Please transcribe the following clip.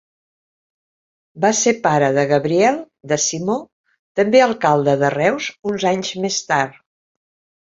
Va ser pare de Gabriel de Simó, també alcalde de Reus uns anys més tard.